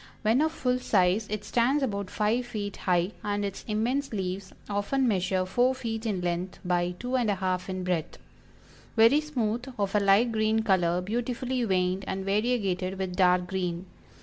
When of full size it stands about five feet high, and its immense leaves often measure four feet in length by two and a half in breadth; very smooth, of a light green color, beautifully veined and variegated with dark green.